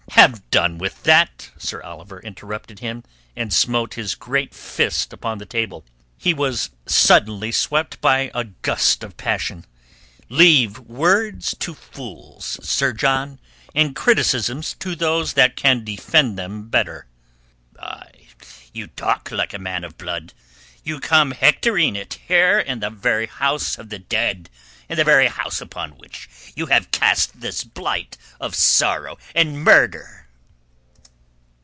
"Have done with that," Sir Oliver interrupted him and smote his great fist upon the table. He was suddenly swept by a gust of passion. "Leave words to fools, Sir John, and criticisms to those that can defend them better." "Aye, you talk like a man of blood. You come hectoring it here in the very house of the dead—in the very house upon which you have cast this blight of sorrow and murder...."